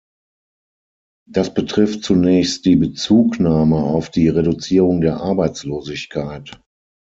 Das betrifft zunächst die Bezugnahme auf die Reduzierung der Arbeitslosigkeit.